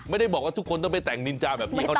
ไม่ได้บอกว่าทุกคนต้องไปแต่งนินจาแบบพี่เขานะ